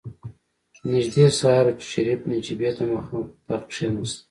نژدې سهار و چې شريف نجيبې ته مخامخ په تخت کېناست.